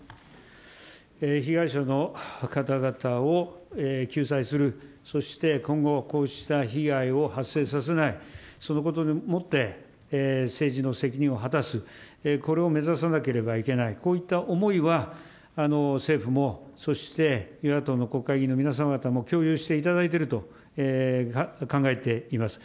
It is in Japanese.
被害者の方々を救済する、そして今後、こうした被害を発生させない、そのことをもって政治の責任を果たす、これを目指さなければいけない、こういった思いは、政府も、そして与野党の国会議員の皆様方も共有していただいていると考えています。